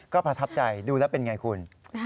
ก็ประทับใจดูแล้วเป็นไงคุณ